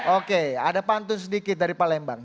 oke ada pantun sedikit dari pak lembang